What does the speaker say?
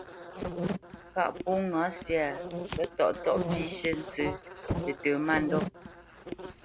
Kâʼ pó ŋǎ syâ, kə́tɔ́ʼtɔ́ʼ pî shʉ̂, ntsə́ tətə mândɔ̂,